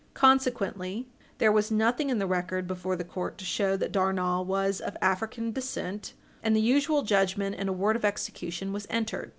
Consequently, there was nothing in the record before the court to show that Darnall was of African descent, and the usual judgment and award of execution was entered.